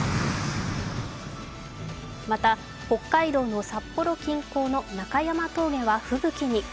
また北海道の札幌近郊の中山峠は吹雪に。